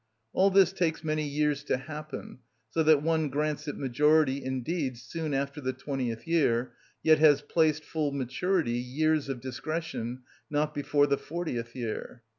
All this takes many years to happen, so that one grants it majority indeed soon after the twentieth year, yet has placed full maturity, years of discretion, not before the fortieth year.